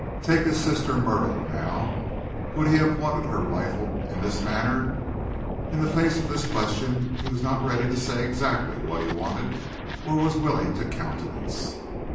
Take his sister Myrtle, now would he have wanted her rifled in this manner? In the face of this question he was not ready to say exactly what he wanted or was willing to countenance.